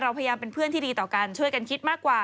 พยายามเป็นเพื่อนที่ดีต่อกันช่วยกันคิดมากกว่า